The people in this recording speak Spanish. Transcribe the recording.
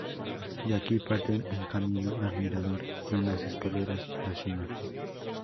De aquí parten un camino al mirador y unas escaleras a la cima.